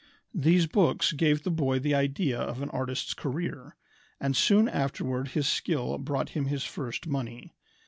These books gave the boy the idea of an artist's career, and soon afterward his skill brought him his first money.